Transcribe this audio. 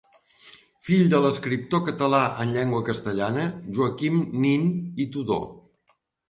Fill de l'escriptor català en llengua castellana, Joaquim Nin i Tudó.